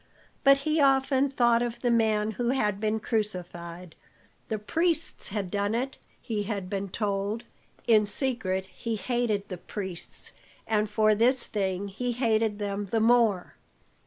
But he often thought of the man who had been crucified. The priests had done it, he had been told; in secret he hated the priests, and for this thing he hated them the more.